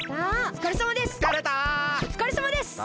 おつかれさまです！